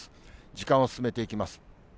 時間を進めていきます。